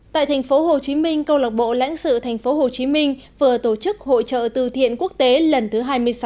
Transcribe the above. tại thành phố hồ chí minh câu lạc bộ lãnh sự thành phố hồ chí minh vừa tổ chức hội trợ từ thiện quốc tế lần thứ hai mươi sáu